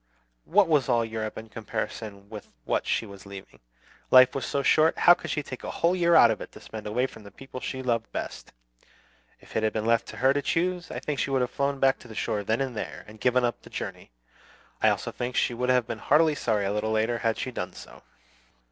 What was all Europe in comparison with what she was leaving? Life was so short, how could she take a whole year out of it to spend away from the people she loved best? If it had been left to her to choose, I think she would have flown back to the shore then and there, and given up the journey, I also think she would have been heartily sorry a little later, had she done so.